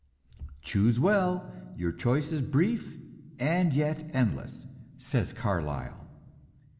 "Choose well, your choice is brief and yet endless," says Carlyle.